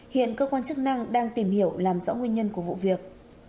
hiện cơ quan chức năng đang tìm hiểu làm rõ nguyên nhân của vụ việc